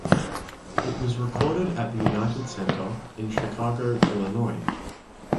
It was recorded at the United Center in Chicago, Illinois.